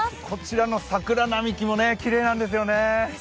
こちらの桜並木もきれいなんですよね。